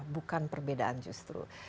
bukan perbedaan justru